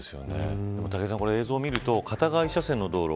武井さん、映像を見ると片側一車線の道路。